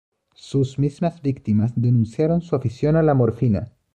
Sus mismas víctimas denunciaron su afición a la morfina.